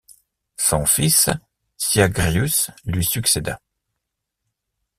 Son fils Syagrius lui succéda.